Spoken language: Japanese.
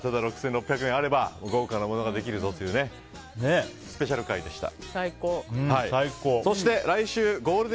６６００円あれば豪華なものができるぞというスペシャル回でした。